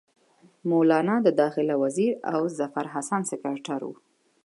مولنا د داخله وزیر او ظفرحسن سکرټر وو.